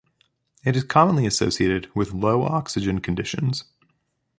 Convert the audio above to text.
It is commonly associated with low-oxygen conditions.